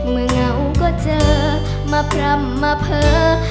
เมื่อเหงาก็เจอมาพรำมาเพลิง